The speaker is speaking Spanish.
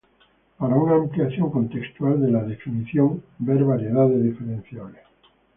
Para una ampliación contextual de la definición vea variedades diferenciables.